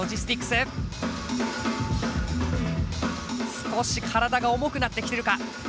少し体が重くなってきてるか？